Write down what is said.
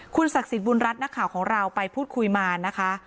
ศักดิ์สิทธิบุญรัฐนักข่าวของเราไปพูดคุยมานะคะ